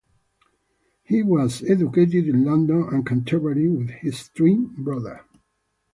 He was educated in London and Canterbury with his twin brother.